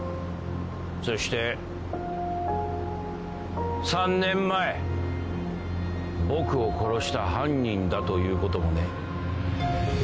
そして３年前僕を殺した犯人だということもね。